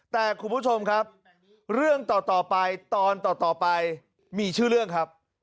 แต่คุณผู้ชมครับเรื่องต่อไปตอนต่อไปมีชื่อเรื่องครับ